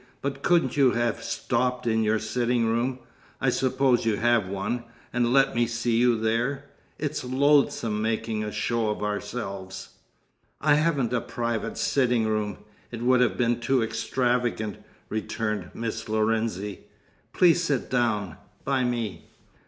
"But couldn't you have stopped in your sitting room I suppose you have one and let me see you there? It's loathsome making a show of ourselves " "I haven't a private sitting room. It would have been too extravagant," returned Miss Lorenzi. "Please sit down by me."